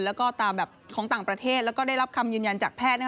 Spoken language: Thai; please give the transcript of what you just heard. แล้วก็ตามแบบของต่างประเทศแล้วก็ได้รับคำยืนยันจากแพทย์